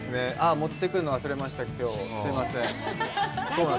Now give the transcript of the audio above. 持ってくるの忘れました、すいません。